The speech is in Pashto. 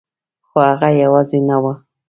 خو هغه یوازې نه وه